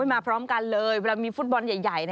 มาพร้อมกันเลยเวลามีฟุตบอลใหญ่